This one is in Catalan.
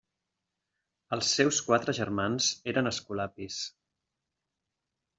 Els seus quatre germans eren escolapis.